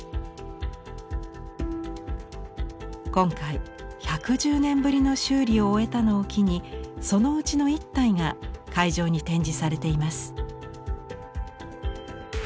今回１１０年ぶりの修理を終えたのを機にそのうちの一体が会場に展示されています。